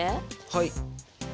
はい。